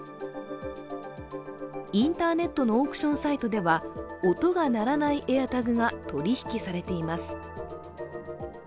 インターネットのオークションサイトでは音が鳴らないＡｉｒＴａｇが取引されています。